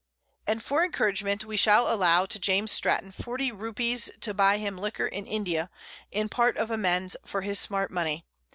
And for Encouragement, we shall allow to_ James Stratton 40 Rupees to buy him Liquor in India, _in Part of Amends for his smart Money.